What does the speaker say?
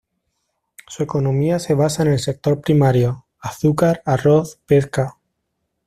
Su economía se basa en el sector primario: azúcar, arroz, pesca.